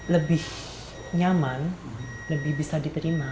lebih nyaman lebih bisa diterima